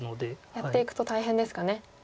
やっていくと大変ですかね？